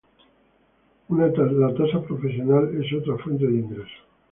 La tasa profesional es otra fuente de ingresos.